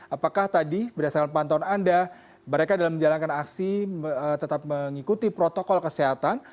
apakah tadi berdasarkan pantauan anda mereka dalam menjalankan aksi tetap mengikuti protokol kesehatan